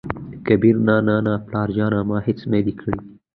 کبير : نه نه نه پلاره جانه ! ما هېڅ نه دى کړي.